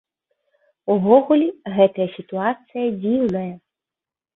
Увогуле, гэтая сітуацыя дзіўная.